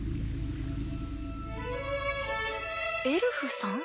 エルフさん？